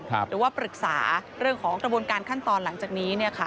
หรือว่าปรึกษาเรื่องของกระบวนการขั้นตอนหลังจากนี้